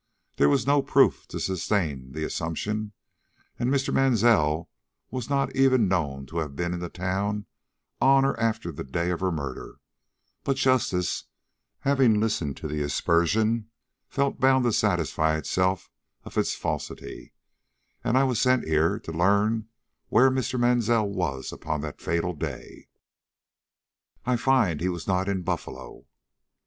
There was no proof to sustain the assumption, and Mr. Mansell was not even known to have been in the town on or after the day of her murder; but justice, having listened to the aspersion, felt bound to satisfy itself of its falsity; and I was sent here to learn where Mr. Mansell was upon that fatal day. I find he was not in Buffalo.